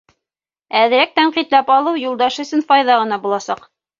Әҙерәк тәнҡитләп алыу Юлдаш өсөн файҙа ғына буласаҡ.